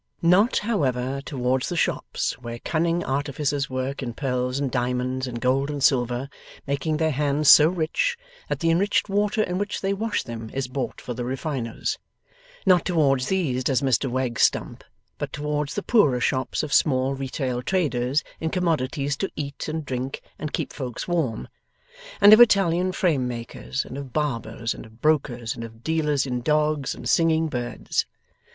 Not, however, towards the 'shops' where cunning artificers work in pearls and diamonds and gold and silver, making their hands so rich, that the enriched water in which they wash them is bought for the refiners; not towards these does Mr Wegg stump, but towards the poorer shops of small retail traders in commodities to eat and drink and keep folks warm, and of Italian frame makers, and of barbers, and of brokers, and of dealers in dogs and singing birds.